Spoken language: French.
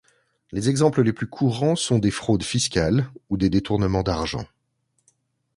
Les exemples les plus courants sont des fraudes fiscales ou des détournements d'argent.